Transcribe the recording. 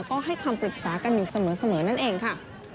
ก็ให้คำปรึกษากันอยู่เสมอนั่นเองค่ะ